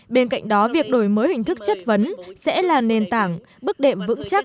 bên cạnh đó việc đổi mới hình thức chất vấn sẽ là nền tảng bước đệm vững chắc